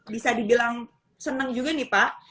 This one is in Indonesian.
bisa dibilang senang juga nih pak